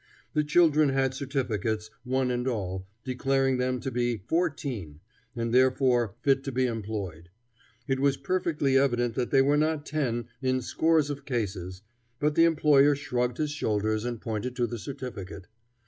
The children had certificates, one and all, declaring them to be "fourteen," and therefore fit to be employed. It was perfectly evident that they were not ten in scores of cases, but the employer shrugged his shoulders and pointed to the certificate.